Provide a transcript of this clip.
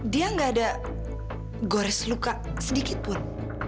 dia nggak ada gores luka sedikit pun